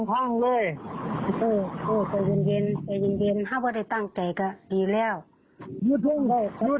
ถ้าผ่านแล้วเขาก็ต้องเก้าไขอีสลูก